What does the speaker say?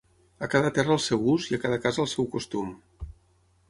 A cada terra el seu ús i a cada casa el seu costum.